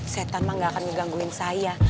syetan mah nggak akan menggangguin saya